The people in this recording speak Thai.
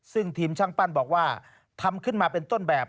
ซึ่งทีมช่างปั้นบอกว่าทำขึ้นมาเป็นต้นแบบ